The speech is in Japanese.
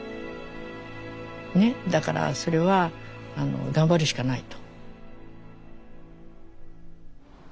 だからそれは頑張るしかないと。